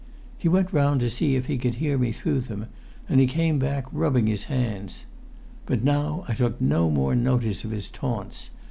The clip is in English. He went round to see if he could hear me through them, and he came back rubbing his hands. But now I took no more notice of his taunts.